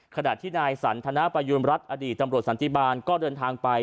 ขณะที่นายสันทนประยูณรัฐอดีตตำรวจสันติบาลก็เดินทางไป